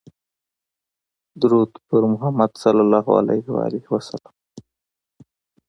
درود په محمدﷺ